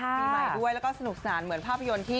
ปีใหม่ด้วยแล้วก็สนุกสนานเหมือนภาพยนตร์ที่